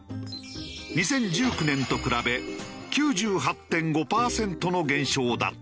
２０１９年と比べ９８．５パーセントの減少だった。